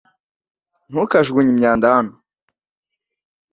Ntukajugunye imyanda hano .